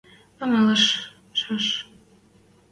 Амалышаш...